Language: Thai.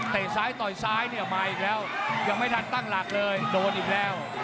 ซ้ายต่อยซ้ายเนี่ยมาอีกแล้วยังไม่ทันตั้งหลักเลยโดนอีกแล้ว